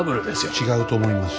違うと思います。